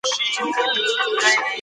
غازيان په پردي ځواک پسې ځي.